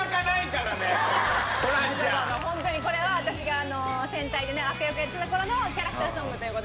ホントにこれは私が戦隊でね悪役やってた頃のキャラクターソングという事で。